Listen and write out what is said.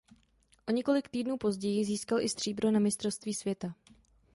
O několik týdnů později získal i stříbro na Mistrovství světa.